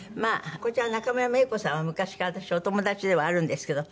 こちらの中村メイコさんは昔から私お友達ではあるんですけど。